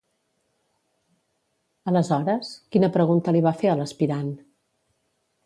Aleshores, quina pregunta li va fer a l'aspirant?